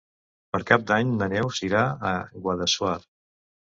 Per Cap d'Any na Neus irà a Guadassuar.